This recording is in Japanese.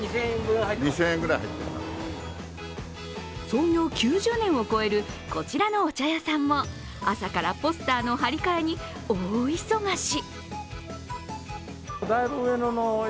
創業９０年を超えるこちらのお茶屋さんも、朝からポスターの貼り替えに大忙し。